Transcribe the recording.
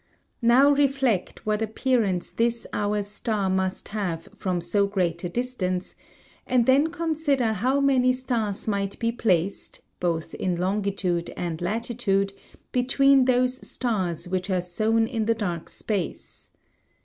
Now reflect what appearance this our star must have from so great a distance, and then consider how many stars might be placed both in longitude and latitude between those stars which are sown in the dark space.